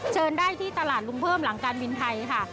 เชิญได้ที่ตลาดลุงเพิ่มหลังการบินไทยค่ะ